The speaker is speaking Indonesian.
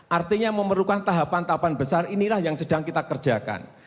artinya memerlukan tahapan tahapan besar inilah yang sedang kita kerjakan